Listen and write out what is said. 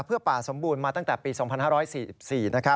เพื่อป่าสมบูรณ์มาตั้งแต่ปี๒๕๔๔